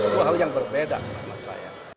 dua hal yang berbeda menurut saya